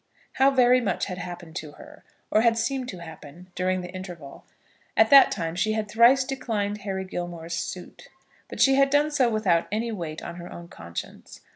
How very much had happened to her, or had seemed to happen, during the interval. At that time she had thrice declined Harry Gilmore's suit; but she had done so without any weight on her own conscience.